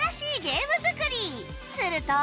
すると